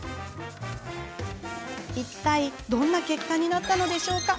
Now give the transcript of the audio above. いったいどんな結果になったのでしょうか。